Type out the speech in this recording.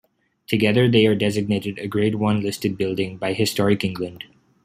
Together, they are designated a Grade One listed building by Historic England.